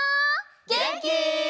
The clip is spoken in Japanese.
げんき？